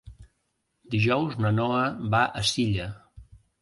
Dijous na Noa va a Silla.